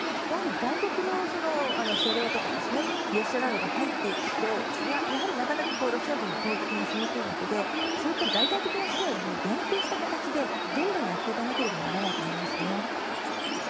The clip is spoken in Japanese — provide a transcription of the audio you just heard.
やはり外国の車両とか列車などが入っていくとやはり、なかなかロシア軍も攻撃がしにくいわけでそういった代替的な支援を連携した形でどんどんやっていかなければならないと思いますね。